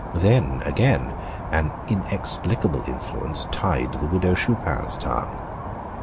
Then again, an inexplicable influence tied the Widow Chupin's tongue.